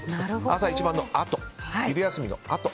朝一番のあと、昼休みのあと